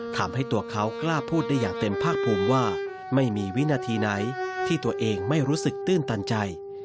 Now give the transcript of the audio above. ทำให้ตัวเขากล้าพูดได้อย่างเต็มภาคภูมิว่าไม่มีวินาทีไหนที่ตัวเองไม่รู้สึกตื้นตันใจ